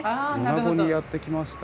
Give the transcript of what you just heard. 米子にやって来ました。